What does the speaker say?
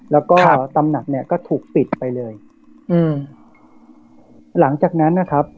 แล้วก็ตำหนักเนี้ยก็ถูกปิดไปเลยอืมหลังจากนั้นนะครับ